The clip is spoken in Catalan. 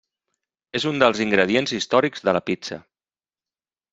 És un dels ingredients històrics de la pizza.